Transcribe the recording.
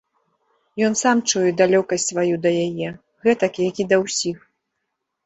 Ён сам чуе далёкасць сваю да яе, гэтак як і да ўсіх.